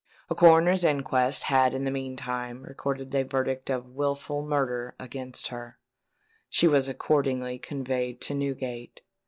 A Coroner's Inquest had in the meantime recorded a verdict of Wilful Murder against her. She was accordingly conveyed to Newgate.